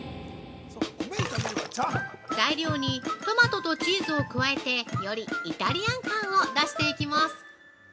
材料にトマトとチーズを加えてよりイタリアン感を出していきます。